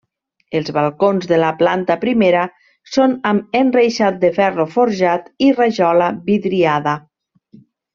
Els balcons de la planta primera són amb enreixat de ferro forjat i rajola vidriada.